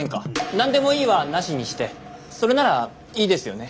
「なんでもいい」はなしにしてそれならいいですよね？